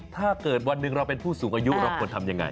ถ้าเกิดวันหนึ่งเราเป็นผู้สูงอายุเราควรทำยังไง